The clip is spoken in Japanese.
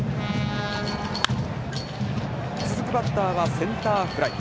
続くバッターはセンターフライ。